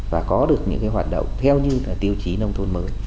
và có được những hoạt động theo như tiêu chí nông thôn mới